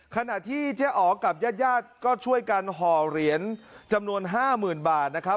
ขณะที่เจ๊อ๋อกับญาติญาติก็ช่วยกันห่อเหรียญจำนวน๕๐๐๐บาทนะครับ